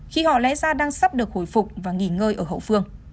khi họ lẽ ra đang sắp được hồi phục và nghỉ ngơi ở hậu phương